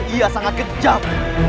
ia sangat kejam